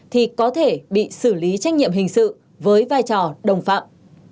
thì có thể bị xử lý trách nhiệm hình sự với vai trò đồng phạm